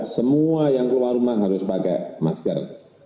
semua yang keluar rumah harus pakai masker